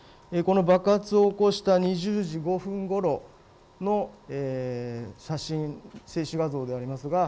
爆発を起こした２０時５分ごろの写真、静止画像です。